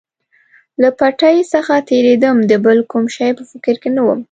له پټۍ څخه تېرېدم، د بل کوم شي په فکر کې نه ووم.